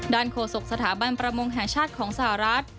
โฆษกสถาบันประมงแห่งชาติของสหรัฐ